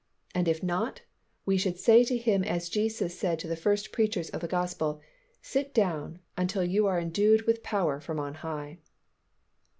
and if not, we should say to him as Jesus said to the first preachers of the Gospel, "Sit down until you are endued with power from on high."